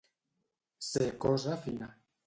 Ser cosa fina.